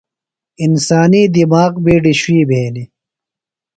انسانی دِماغ بیۡ شُوئی بھینیۡ۔